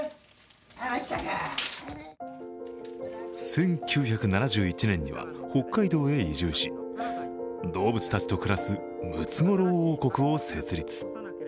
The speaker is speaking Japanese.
１９７１年には北海道へ移住し、動物たちと暮らすムツゴロウ王国を設立。